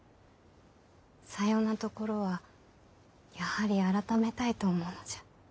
さようなところはやはり改めたいと思うのじゃ。